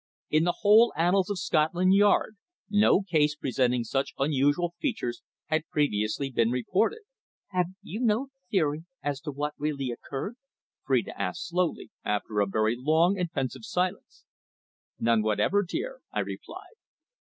In the whole annals of Scotland Yard no case presenting such unusual features had previously been reported. "Have you no theory as to what really occurred?" Phrida asked slowly, after a very long and pensive silence. "None whatever, dear," I replied.